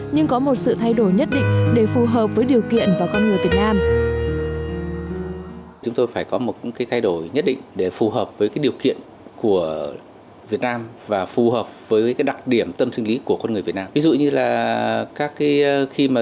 nhưng có một sự thay đổi nhất định để phù hợp với điều kiện và con người việt nam